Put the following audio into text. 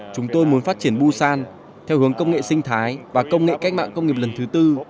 chúng tôi muốn phát triển busan theo hướng công nghệ sinh thái và công nghệ cách mạng công nghiệp lần thứ tư